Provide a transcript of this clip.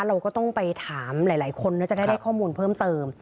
เราก็ต้องไปถามหลายคนแล้วจะได้ข้อมูลเพิ่มเติม